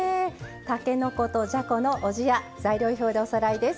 たけのことじゃこのおじや材料表でおさらいです。